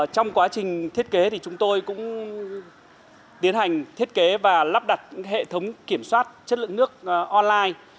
trong quá trình thiết kế thì chúng tôi cũng tiến hành thiết kế và lắp đặt hệ thống kiểm soát chất lượng nước online